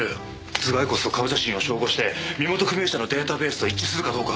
頭蓋骨と顔写真を照合して身元不明者のデータベースと一致するかどうか。